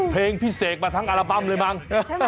เพลงพิเศษมาทั้งอัลบั้มเลยมั้ง